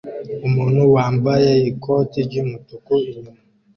Umuntu wambaye ikoti ryumutuku inyuma